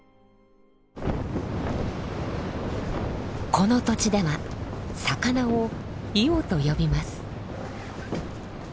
この土地では魚を「いお」と呼びます。